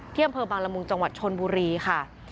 เพิ่มบางละมุงจังหวัดชนบุรีค่ะ